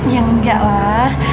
ya enggak lah